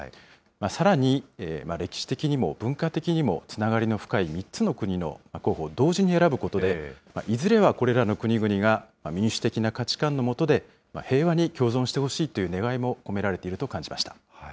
さらに歴史的にも、文化的にもつながりの深い３つの国の候補を同時に選ぶことで、いずれはこれらの国々が、民主的な価値観のもとで、平和に共存してほしいという願いも込められていると感じました。